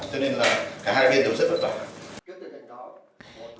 cho nên là cả hai bên đều rất vất vả